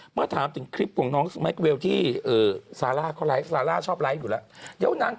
เมื่อถามถึงคลิปของน้องสมาคเวลที่ซาร่าชอบไลค์อยู่แล้ว